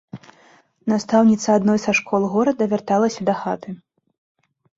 Настаўніца адной са школ горада вярталася дахаты.